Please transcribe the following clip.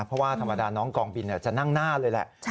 เพราะว่าธรรมดาน้องกองบินจะนั่งหน้าเลยแหละ